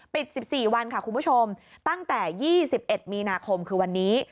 ๑๔วันค่ะคุณผู้ชมตั้งแต่๒๑มีนาคมคือวันนี้